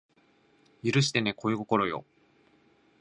許してね恋心よ